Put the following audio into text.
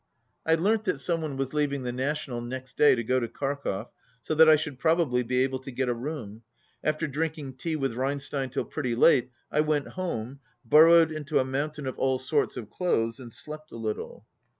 I learnt that some one was leaving the National next day to go to Kharkov, so that I should prob ably be able to get a room. After drinking tea with Reinstein till pretty late, I went home, bur rowed into a mountain of all sorts of clothes, and slept a little.